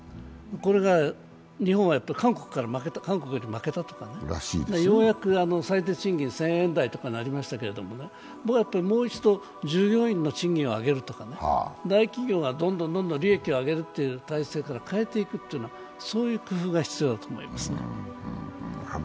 これが、日本は韓国に負けたとかようやく最低賃金１０００円台とかになりましたけど、僕はもう一度従業員の賃金を上げるとか大企業がどんどん利益を上げる体制から変えていくという必要があると思います。